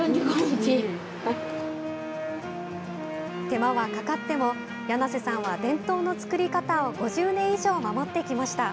手間はかかっても梁瀬さんは伝統の作り方を５０年以上守ってきました。